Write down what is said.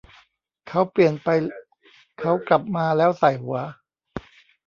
เขาเปลี่ยนไปเขากลับมาแล้วส่ายหัว